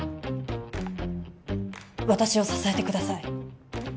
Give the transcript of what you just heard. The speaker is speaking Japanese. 私を支えてください